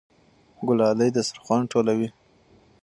ګلالۍ دسترخوان ټولوي.